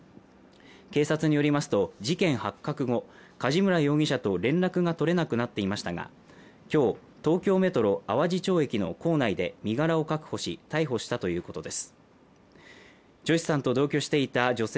警察によりますと、事件発覚後、梶村容疑者と連絡が取れなくなっていましたが今日、東京メトロ淡路町駅の構内で身柄を確保し逮捕したということです。